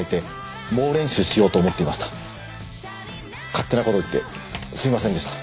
勝手な事言ってすいませんでした。